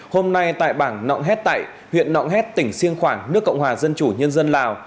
hôm nay tại bảng nọng hét tại huyện nọng hét tỉnh siêng khoảng nước cộng hòa dân chủ nhân dân lào